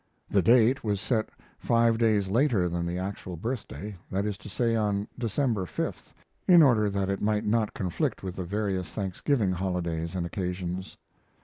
The date was set five days later than the actual birthday that is to say, on December 5th, in order that it might not conflict with the various Thanksgiving holidays and occasions.